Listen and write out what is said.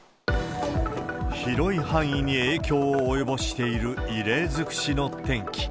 広い範囲に影響を及ぼしている異例尽くしの天気。